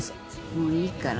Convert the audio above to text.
もういいから。